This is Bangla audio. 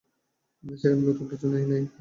সেখানে নতুন কিছু নেই, কাই।